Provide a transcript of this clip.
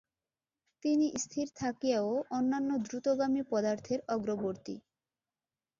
তিনি স্থির থাকিয়াও অন্যান্য দ্রুতগামী পদার্থের অগ্রবর্তী।